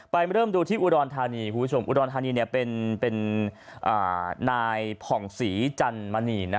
ไปเริ่มดูที่อูดอนธานีอูดอนธานีเป็นนายผ่องสีจันมณี